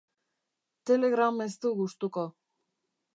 Telegram ez du gustuko.